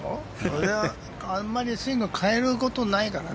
俺はあんまりスイングを変えることないからな。